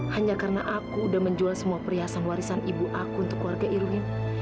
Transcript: hanya karena aku udah menjual semua perhiasan warisan ibu aku untuk keluarga irwin